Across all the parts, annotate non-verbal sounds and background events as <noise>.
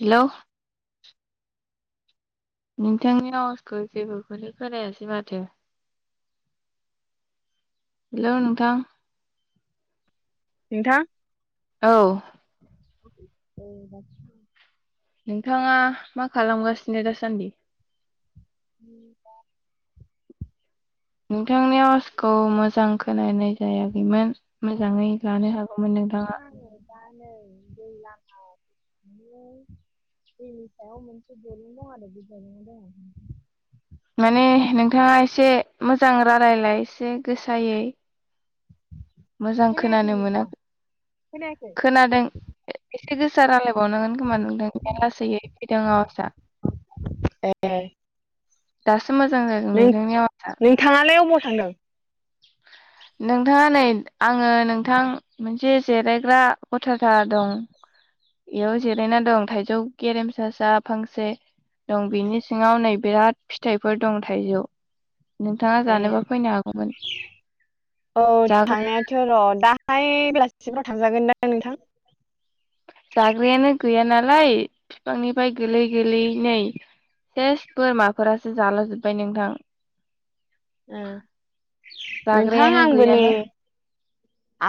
Hello नोंथांनि आवसखौ जेबोखौनो खोनायासै माथो? हेलौ नोंथां नोंथां? औ <unintelligible> नोंथाङा मा खालामगासिनो दासान्दि? उ नोंथांनि आवजखौ मोजां खोनानाय जायाखैमोन। मोजाङै लानो हागौमोन नोंथाङा। नोंथां आङो दा नै दैज्लांआव‌ दैनि सायाव मोनसे दुरुं दं आरो बे दुरुङाव दङ। माने नोंथाङा एसे मोजां रालायलाय एसे गोसायै। मोजां खोनायाखै खोनानो नोंथां मोनाखै खोनायाखै <inaudible> खोनादों एसे गोसा रायलायबावनांगोन खोमा नोंदों बेराद लासैयै फैदों आवाजआ। ए दासो मोजां जादों नोंथांनि आवाजा। थाङालाय अबावथांदों‌‌? <unintelligible> नोंथाङा नै आङो नोंथां मोनसे जिरायग्रा गथथा दं। बेयाव जिरायना दं थाइजौ गेरेमसासा फांसे दं बेनि सिङाव नै बिराद फिथाइफोर दं थाइजौ। नोंथाङा ए जानोबा फैनो हागौमोन। औ जाग्रा थांनायाथ' र' दाहाय बेलासिसिमफ्राव थांजागोन दा नोंथां? जाग्रायानो गैया नालाय बिफांनिफ्राय गोलै गोलै नै सेस बोरमाफोरासो जालाजोब्बाय नोंथां। उ नोंथां जाग्रायानो आंबो नै गैयाना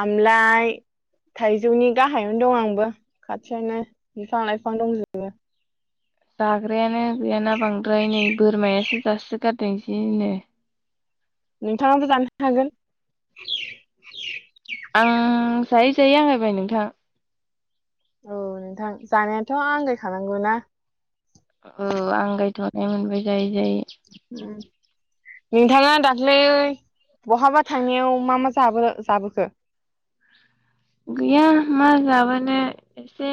आमलाइ थाइजौनि गाहायावनो दं आंबो खाथियावनो बिफां लाइफां दंजोबो। जाग्रायानो गैयाना बांद्राय नै बोरमायासो जासो गारदों जिनो। नोंथाङाबो जानो हागोन। आं जायै जायै आंगायबाय नोंथां। औ नोंथां जानायाथ' आंगायखानांगौ ना। औ आंगायथ'नाय मोनबाय जायै जायै। उम नोंथाङा दाख्लै बहाबा थांनायाव मा मा जाबो-जाबोखो? गैया मा जाबोनो एसे